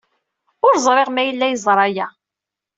Ur ẓriɣ ma yella yeẓra aya.